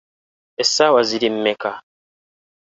Essaawa ziri mmeka?